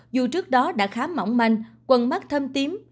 dù trước đó đã khá mỏng manh quần mắt thơm tím